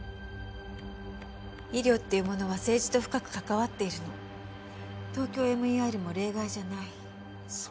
医療っていうものは政治と深く関わっているのＴＯＫＹＯＭＥＲも例外じゃないそう